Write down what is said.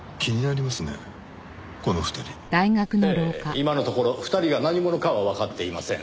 今のところ２人が何者かはわかっていません。